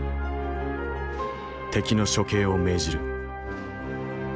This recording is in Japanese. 敵の処刑を命じる。